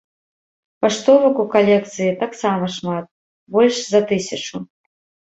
Паштовак у калекцыі таксама шмат, больш за тысячу.